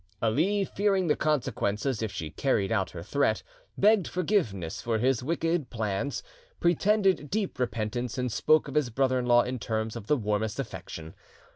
Ali, fearing the consequences if she carried out her threat, begged forgiveness for his wicked plans, pretended deep repentance, and spoke of his brother in law in terms of the warmest affection.